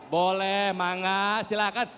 boleh mangga silahkan